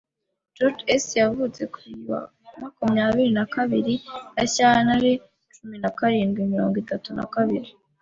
George S yavutse ku ya makumyabiri na kabiri Gashyantare cumi na karindwi mirongo itatu na kabiri.